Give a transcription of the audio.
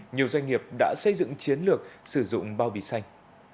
nhiều doanh nghiệp đã xây dựng chiến lược sử dụng bao bì xanh